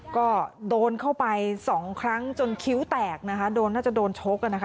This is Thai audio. ก็โดนเข้าไป๒ครั้งจนคิ้วแตกน่าจะโดนโชค